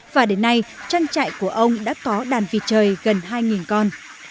và đến nay trang trại của ông đã có đàn vịt trời gần hai con